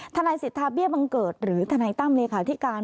ทนายสิทธาเบี้ยบังเกิดหรือทนายตั้มเลขาธิการ